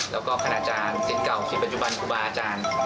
แล้วก็คณะจานสิ้นเก่าสิ้นปัจจุบันครูบาอาจารย์